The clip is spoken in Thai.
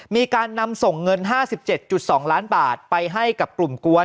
มีการนำส่งเงิน๕๗๒ล้านบาทไปให้กับกลุ่มกวน